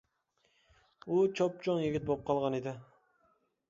ئۇ چوپچوڭ يىگىت بولۇپ قالغان ئىدى.